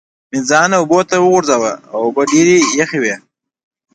مې ځان اوبو ته وغورځاوه، اوبه ډېرې یخې وې.